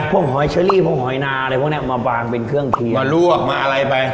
หอยเชอรี่พวกหอยนาอะไรพวกนี้มาวางเป็นเครื่องเคียงมาลวกมาอะไรไป